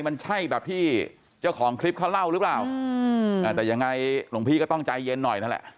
มันใช่แบบที่เจ้าของคลิปเขาเล่าหรือเปล่าแต่ยังไงหลวงพี่ก็ต้องใจเย็นหน่อยนั่นแหละ